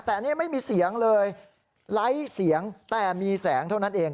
แต่นี่ไม่มีเสียงเลยไร้เสียงแต่มีแสงเท่านั้นเอง